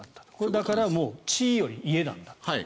だから、地位より家なんだと。